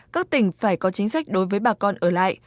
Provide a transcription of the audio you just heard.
các tỉnh phải có chính sách đối với bà con ở lại